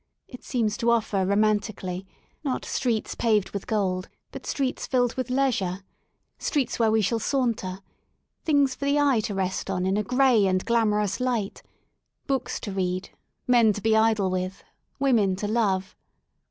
It seems to oflfer romantically, not streets paved with gold but streets filled with leisure, streets where we shall saunter, things for the eye to rest on in a gray and glamorous light, books to read, men to be idle with, women to love.